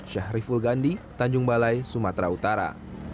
syahriful gandhi tanjung balai sumatera utara